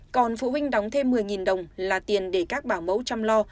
còn phụ huynh đóng thêm một mươi đồng là tiền để các bảo mẫu chăm lo